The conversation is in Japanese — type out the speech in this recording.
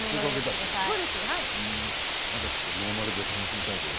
まだノーマルで楽しみたいけれど。